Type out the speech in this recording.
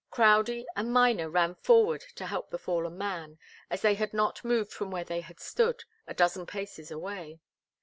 Crowdie and Miner ran forward to help the fallen man, as they had not moved from where they had stood, a dozen paces away.